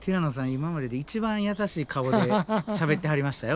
今までで一番優しい顔でしゃべってはりましたよ